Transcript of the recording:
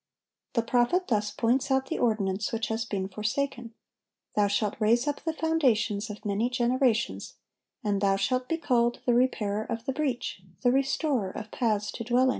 The prophet thus points out the ordinance which has been forsaken: "Thou shalt raise up the foundations of many generations; and thou shalt be called, The repairer of the breach, The restorer of paths to dwell in.